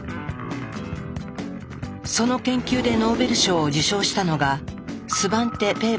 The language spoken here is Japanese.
その研究でノーベル賞を受賞したのがスバンテ・ペーボさん。